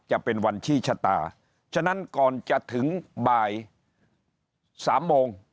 จะเป็นวันชี้ชะตาฉะนั้นก่อนจะถึงบ่าย๓โมง